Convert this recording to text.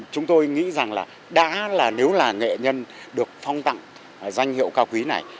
chúng tôi nghĩ rằng là đã nếu là nghệ nhân được phong tặng danh hiệu cao quý này